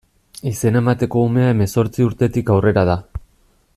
Izena emateko unea hemezortzi urtetik aurrera da.